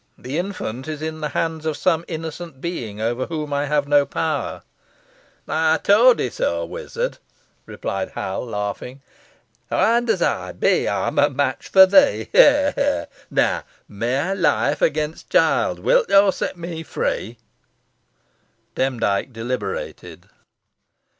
The infant is in the hands of some innocent being over whom I have no power." "Ey towdee so, wizard," replied Hal, laughing. "Hoind os ey be, ey'm a match fo' thee, ha! ha! Neaw, mey life agen t' chilt's. Win yo set me free?" Demdike deliberated.